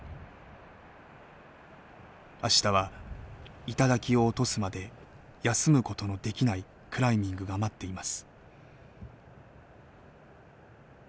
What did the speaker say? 明日は頂を落とすまで休むことのできないクライミングが待っています。